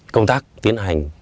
công tác tiến hành